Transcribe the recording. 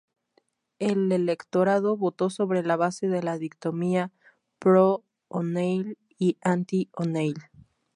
El electorado votó sobre la base de la dicotomía "Pro-O'Neill" y "Anti-O'Neill".